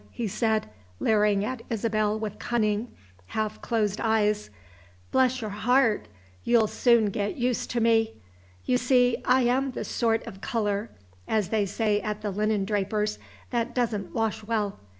he said, leering at Isabel with cunning, half closed eyes. "Bless your heart! you'll soon get used to me! You see, I am the sort of color, as they say at the linen drapers, that doesn't wash well.